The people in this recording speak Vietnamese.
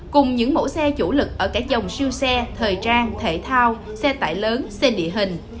cùng những mẫu xe chủ lực ở cả dòng siêu xe thời trang thể thao xe tải lớn xe địa hình